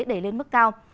để lên mức cao